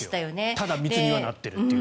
ただ、密にはなっているという。